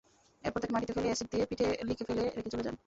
এরপর তাঁকে মাটিতে ফেলে অ্যাসিড দিয়ে পিঠে লিখে ফেলে রেখে চলে যান।